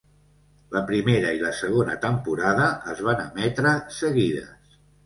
La primera i la segona temporada es van emetre seguides.